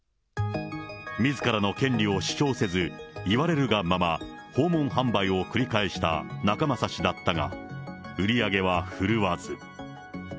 みずからの権利を主張せず、言われるがまま、訪問販売を繰り返した仲正氏だったが、売り上げは振るわず。